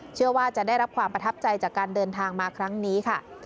เชื่อว่าจะได้รับความประทับใจจากการเดินทางมาครั้งนี้ค่ะ